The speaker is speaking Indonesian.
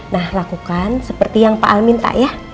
nah lakukan seperti yang pak al minta ya